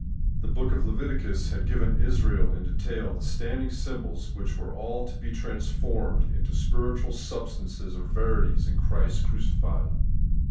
The book of Leviticus had given Israel in detail the standing symbols which were all to be trans formed into spiritual substances or verities in Christ crucified.